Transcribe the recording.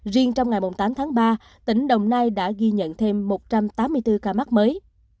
riêng trong ngày tám tháng ba tỉnh đồng nai đã ghi nhận thêm một trăm tám mươi bốn ca mắc mới